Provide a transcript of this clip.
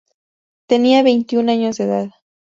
Tenía veintiún años de edad.